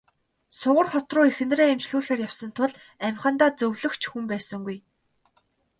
Сугар хот руу эхнэрээ эмчлүүлэхээр явсан тул амьхандаа зөвлөх ч хүн байсангүй.